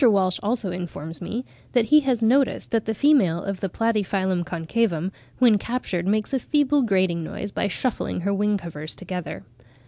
Walsh also informs me that he has noticed that the female of the Platyphyllum concavum, "when captured makes a feeble grating noise by shuffling her wing covers together.")